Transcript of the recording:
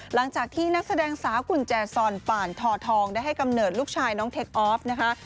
หลังจากที่นักแสดงสาวกุญแจซอนป่านทอทองได้ให้กำเนิดลูกชายน้องเทคออฟนะคะ